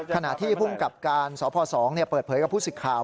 ขณะที่ภูมิกับการสพ๒เปิดเผยกับผู้สิทธิ์ข่าว